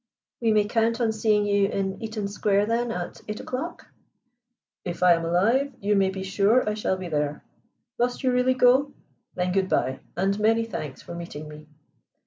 "We may count on seeing you in Eaton Square, then, at eight o'clock?" "If I am alive you may be sure I shall be there. Must you really go? Then good bye, and many thanks for meeting me."